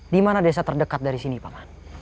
dimana desa terdekat dari sini paman